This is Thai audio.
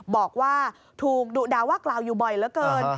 บอกว่าถูกดุด่าว่ากล่าวอยู่บ่อยเหลือเกิน